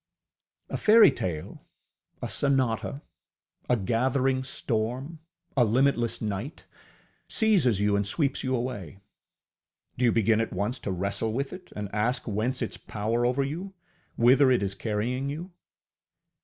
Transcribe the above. A fairytale, a sonata, a gathering storm, a limitless night, seizes you and sweeps you away: do you begin at once to wrestle with it and ask whence its power over you, whither it is carrying you?